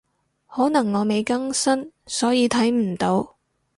可能我未更新，所以睇唔到